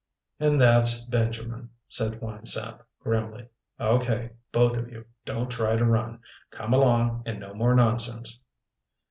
"And that's Benjamin," said Winesap, grimly. "Okay, both of you, don't try to run. Come along and no more nonsense."